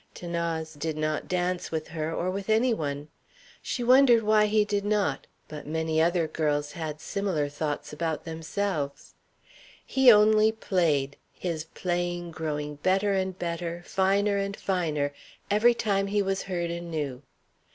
'Thanase did not dance with her, or with any one. She wondered why he did not; but many other girls had similar thoughts about themselves. He only played, his playing growing better and better, finer and finer, every time he was heard anew.